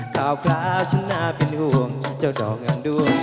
ข่าวคลาชนะเป็นห่วงเจ้าดอกอังดวง